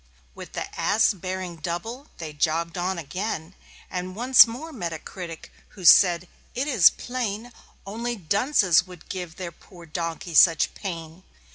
With the Ass bearing double they jogged on again, And once more met a critic, who said: "It is plain Only dunces would give their poor donkey such pain.